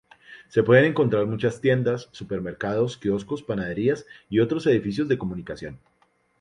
Se pueden encontrar muchas tiendas, supermercados, quioscos, panaderías y otros edificios de comunicación.